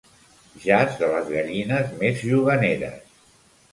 Jaç de les gallines més juganeres.